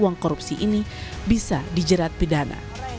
uang korupsi ini bisa dijerat pidana